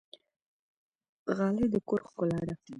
غالۍ د کور ښکلا ده